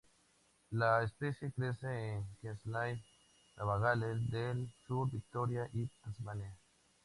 La especie crece en Queensland, Nueva Gales del Sur, Victoria y Tasmania.